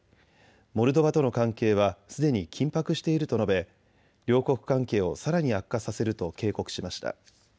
モルドバとの関係はすでに緊迫していると述べ両国関係をさらに悪化させると警告しました。